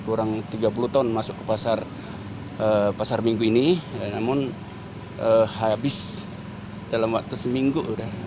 kurang tiga puluh ton masuk ke pasar minggu ini namun habis dalam waktu seminggu